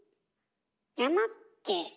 山って。